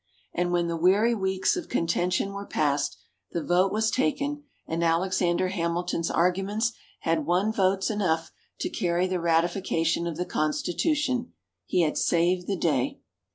And when the weary weeks of contention were passed, the vote was taken; and Alexander Hamilton's arguments had won votes enough to carry the ratification of the Constitution. He had saved the day.